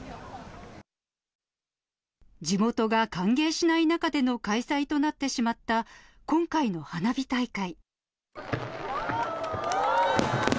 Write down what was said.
地元が歓迎しない中での開催となってしまった今回の花火大会。